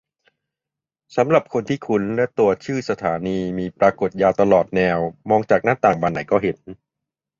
สำหรับคนที่คุ้น และตัวชื่อสถานีมีปรากฏยาวตลอดแนว มองจากหน้าต่างบานไหนก็เห็น